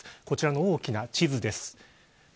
こちらの大きな地図です。